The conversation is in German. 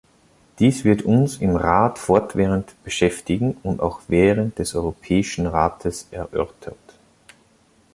Dies wird uns im Rat fortwährend beschäftigen und auch während des Europäischen Rates erörtert.